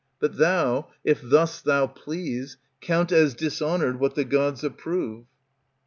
But thou, if thus thou please, Count as dishonoured what the Gods approve.